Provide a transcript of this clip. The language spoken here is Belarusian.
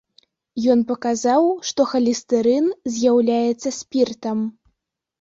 Ён паказаў, што халестэрын з'яўляецца спіртам.